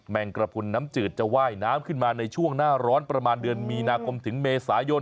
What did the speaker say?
งกระพุนน้ำจืดจะว่ายน้ำขึ้นมาในช่วงหน้าร้อนประมาณเดือนมีนาคมถึงเมษายน